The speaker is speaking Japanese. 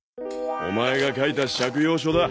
オマエが書いた借用書だ。